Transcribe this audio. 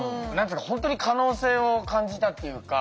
本当に可能性を感じたっていうか。